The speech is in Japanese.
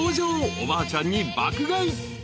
おばあちゃんに爆買い］